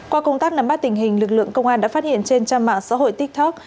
qua công tác nắm bắt tình hình lực lượng công an đã phát hiện trên trang mạng xã hội tiktok